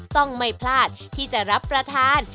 ต้องไม่พลาดที่จะรับประทาน